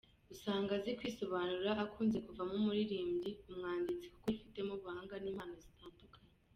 Usanga azi kwisobanura, akunze kuvamo umuririmbyi, umwanditsi kuko yifitemo ubuhanga n’impano zitandukanye.